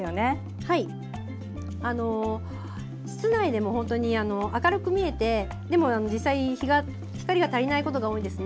はい、室内では明るく見えても実際に光が足りないことが多いんですね。